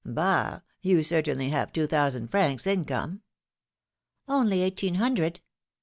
Bah ! you certainly have two thousand francs in come?" Only eighteen hundred."